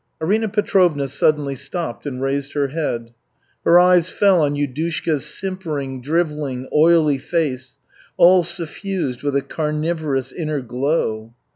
Arina Petrovna suddenly stopped and raised her head. Her eyes fell on Yudushka's simpering, drivelling, oily face, all suffused with a carnivorous inner glow.